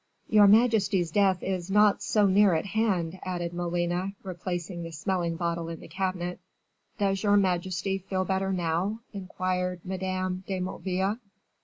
"Your majesty's death is not so near at hand," added Molina, replacing the smelling bottle in the cabinet. "Does your majesty feel better now?" inquired Madame de Motteville.